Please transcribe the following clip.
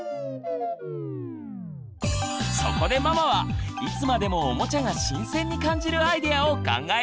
そこでママはいつまでもおもちゃが新鮮に感じるアイデアを考えました！